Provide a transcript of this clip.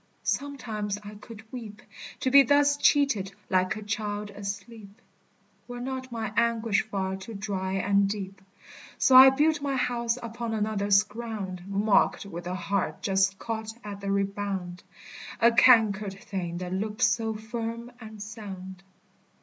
Sometimes I could weep To be thus cheated, like a child asleep; Were not my anguish far too dry and deep. So I built my house upon another's ground; Mocked with a heart just caught at the rebound, A cankered thing that looked so firm and sound.